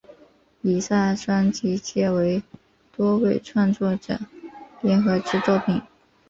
以下专辑皆为多位创作者联合之作品。